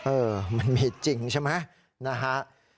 เออมันมีจริงใช่ไหมนะฮะ